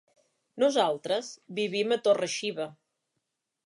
Nosaltres vivim a Torre-xiva.